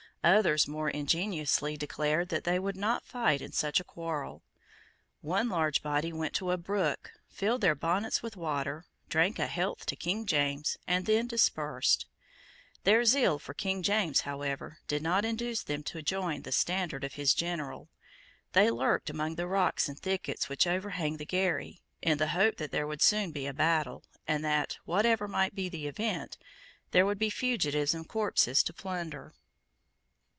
Others more ingenuously declared that they would not fight in such a quarrel. One large body went to a brook, filled their bonnets with water, drank a health to King James, and then dispersed, Their zeal for King James, however, did not induce them to join the standard of his general. They lurked among the rocks and thickets which overhang the Garry, in the hope that there would soon be a battle, and that, whatever might be the event, there would be fugitives and corpses to plunder.